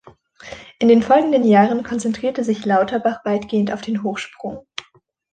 In den folgenden Jahren konzentrierte sich Lauterbach weitgehend auf den Hochsprung.